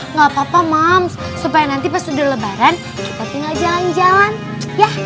nggak apa apa mams supaya nanti pas udah lebaran kita tinggal jalan jalan ya